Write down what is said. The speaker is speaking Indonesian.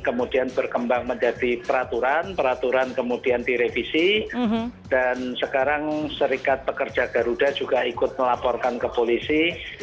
kemudian berkembang menjadi peraturan peraturan kemudian direvisi dan sekarang serikat pekerja garuda juga ikut melaporkan ke polisi